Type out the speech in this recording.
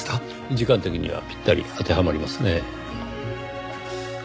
時間的にはぴったり当てはまりますね。